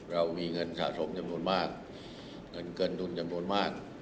เรามีเงินสะสมจำนวนมากเงินเกินดุลจำนวนมาก